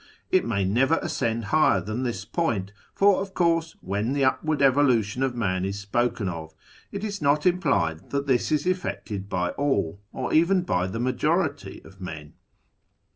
It may never ascend higher than this point; for, of course, when the upward evolution of man is spoken of, it is not implied that this is effected by all, or even by the majority of men.